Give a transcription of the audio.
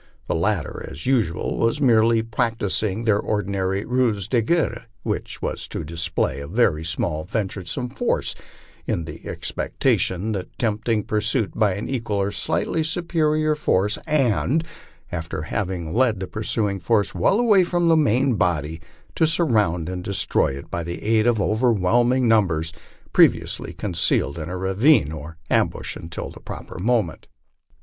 The latter, as usual, were merely practising their ordinary ruse dc guerre, which was to display a very small venturesome force in the expectation of tempting pursuit "by an equal or slightly superior force, and, after having led the pursuing force well away from the main body, to surround and destroy it by the aid of overwhelming numbers, previously concealed in a ravine or am bush until the proper moment.